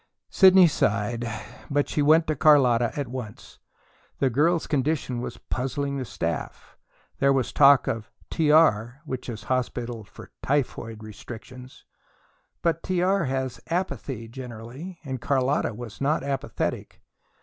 Sidney sighed, but she went to Carlotta at once. The girl's condition was puzzling the staff. There was talk of "T.R." which is hospital for "typhoid restrictions." But T.R. has apathy, generally, and Carlotta was not apathetic.